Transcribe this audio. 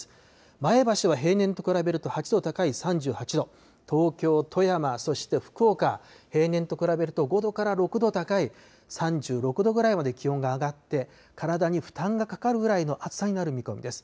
前橋は平年と比べると８度高い３８度、東京、富山、そして福岡、平年と比べると５度から６度高い３６度ぐらいまで気温が上がって体に負担がかかるぐらいの暑さになる見込みです。